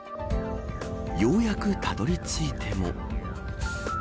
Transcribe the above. ようやくたどり着いても。